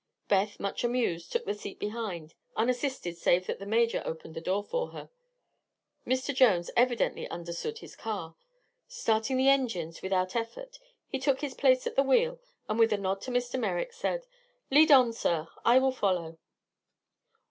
Beth, much amused, took the seat behind, unassisted save that the Major opened the door for her. Mr. Jones evidently understood his car. Starting the engines without effort he took his place at the wheel and with a nod to Mr. Merrick said: "Lead on, sir; I will follow."